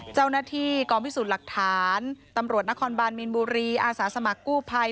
เจ้าหน้าที่กองพิสูจน์หลักฐานตำรวจนครบานมีนบุรีอาสาสมัครกู้ภัย